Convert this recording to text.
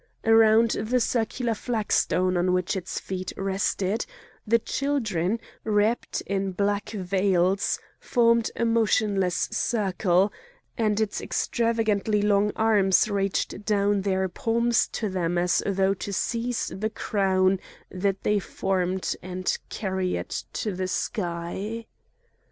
Around the circular flagstone on which its feet rested, the children, wrapped in black veils, formed a motionless circle; and its extravagantly long arms reached down their palms to them as though to seize the crown that they formed and carry it to the sky.